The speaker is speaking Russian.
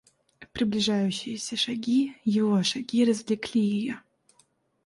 Приближающиеся шаги, его шаги, развлекли ее.